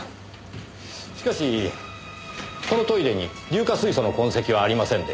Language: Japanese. しかしこのトイレに硫化水素の痕跡はありませんでした。